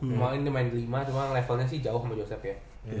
emang ini main lima cuma levelnya sih jauh sama josep ya